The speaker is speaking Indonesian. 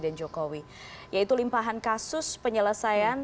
nah itu limpahan kasus penyelesaian